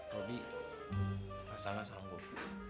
robi rasanya sanggup